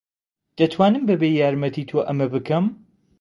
دەتوانم بەبێ یارمەتیی تۆ ئەمە بکەم.